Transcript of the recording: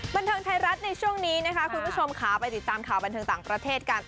บันเทิงไทยรัฐในช่วงนี้นะคะคุณผู้ชมค่ะไปติดตามข่าวบันเทิงต่างประเทศกัน